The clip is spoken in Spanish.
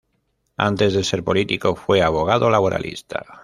Antes de ser político fue abogado laboralista..